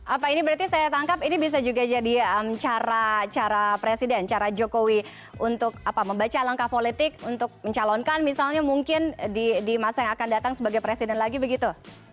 apa ini berarti saya tangkap ini bisa juga jadi cara presiden cara jokowi untuk membaca langkah politik untuk mencalonkan misalnya mungkin di masa yang akan datang sebagai presiden lagi begitu